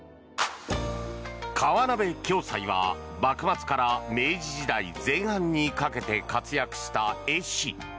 河鍋暁斎は、幕末から明治時代前半にかけて活躍した絵師。